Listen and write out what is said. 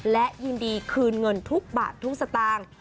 และยินดีคืนเงินทุกบาททุกสตางค์